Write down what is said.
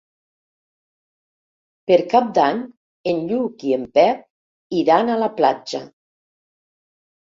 Per Cap d'Any en Lluc i en Pep iran a la platja.